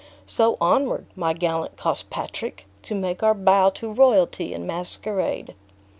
So onward, my gallant Cospatrick, to make our bow to royalty in masquerade."